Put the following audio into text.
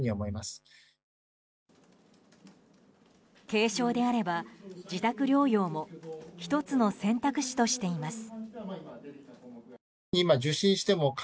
軽症であれば自宅療養も１つの選択肢としています。